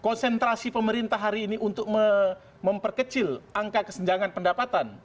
konsentrasi pemerintah hari ini untuk memperkecil angka kesenjangan pendapatan